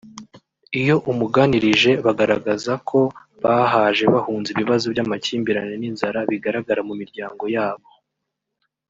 iyo muganiriye bagaragaza ko bahaje bahunze ibibazo by’amakimbirane n’inzara bigaragara mu miryango yabo